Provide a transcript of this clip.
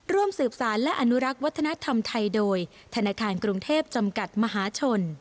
ร่วมสืบสารและอนุรักษ์วัฒนธรรมไทยโดยธนาคารกรุงเทพจำกัดมหาชน